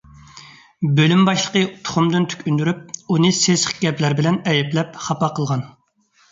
بۆلۈم باشلىقى تۇخۇمدىن تۈك ئۈندۈرۈپ، ئۇنى سېسىق گەپلەر بىلەن ئەيىبلەپ خاپا قىلغان.